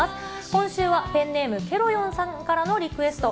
今週はペンネーム、ケロヨンさんからのリクエスト。